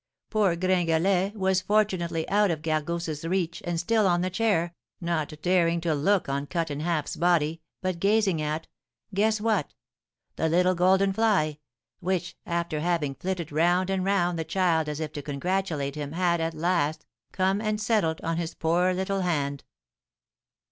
Poor Gringalet was fortunately out of Gargousse's reach and still on the chair, not daring to look on Cut in Half's body, but gazing at, guess what, the little golden fly, which, after having flitted round and round the child as if to congratulate him, had, at last, come and settled on his poor little hand.